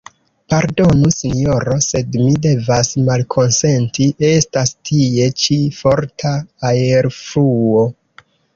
Pardonu, Sinjoro, sed mi devas malkonsenti, estas tie ĉi forta aerfluo.